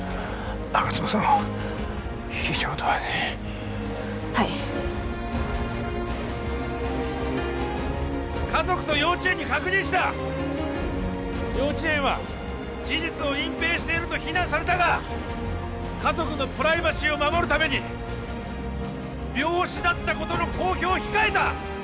吾妻さんは非常ドアにはい家族と幼稚園に確認した幼稚園は事実を隠蔽していると非難されたが家族のプライバシーを守るために病死だったことの公表を控えた！